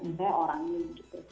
makanya orang ini gitu